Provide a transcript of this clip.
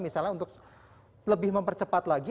misalnya untuk lebih mempercepat lagi